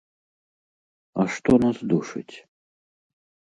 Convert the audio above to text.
А што нас душыць?